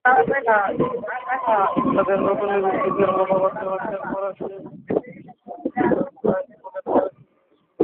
তাদের নতুন লিপস্টিকের মুখপাত্র হচ্ছেন ফরাসি প্লাস সাইজ মডেল ক্লেমেন্টিন ডেস্যু।